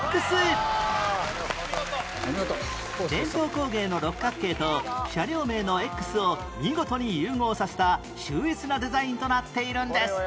伝統工芸の六角形と車両名の Ｘ を見事に融合させた秀逸なデザインとなっているんです